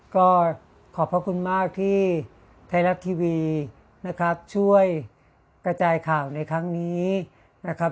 ก็ขอบพระคุณมากที่ไทยรัฐทีวีนะครับช่วยกระจายข่าวในครั้งนี้นะครับ